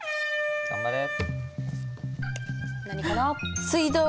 頑張れ。